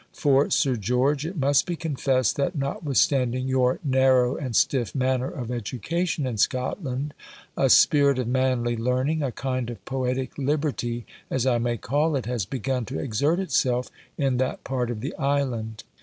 For, Sir George, it must be confessed that, notwithstanding your narrow and stiff manner of education in Scotland, a spirit of manly learning, a kind of poetic liberty, as I may call it, has begun to exert itself in that part of the island.